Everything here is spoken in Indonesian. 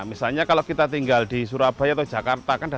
misalnya kalau kita tinggal di surabaya atau jakarta kan